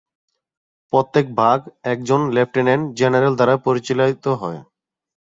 প্রত্যেক ভাগ একজন লেফটেন্যান্ট জেনারেল দ্বারা পরিচালিত হত।